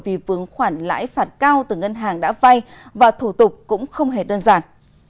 vì vướng khoản lãi phạt cao từ ngân hàng đã vay và thủ tục cũng không hề đơn giản